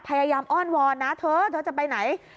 พยายามอ้อนวอนนะเธอจะไปไหน